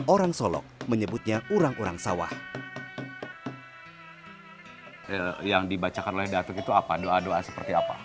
orang solok menyebutnya orang orang sawah yang dibacakan oleh datuk itu apa doa doa seperti apa